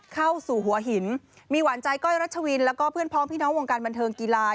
เข้าสู่หัวหินมีหวานใจก้อยรัชวินแล้วก็เพื่อนพร้อมพี่น้องวงการบันเทิงกีฬา